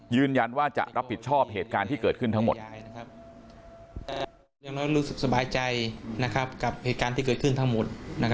ยืนยันว่าจะรับผิดชอบเหตุการณ์ที่เกิดขึ้นทั้งหมด